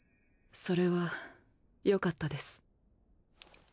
それはよかったです。